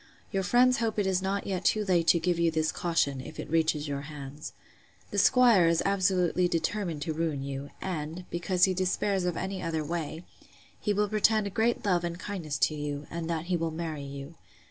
Your friends hope it is not yet too late to give you this caution, if it reaches your hands. The 'squire is absolutely determined to ruin you; and, because he despairs of any other way, he will pretend great love and kindness to you, and that he will marry you.